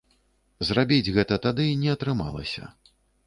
Зрабіць гэта тады не атрымалася.